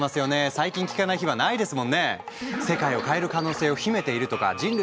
最近聞かない日はないですもんね。